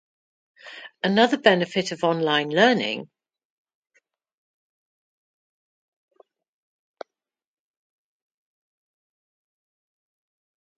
Another benefit of online learning is the variety of courses available.